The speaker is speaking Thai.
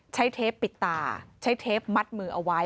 เทปปิดตาใช้เทปมัดมือเอาไว้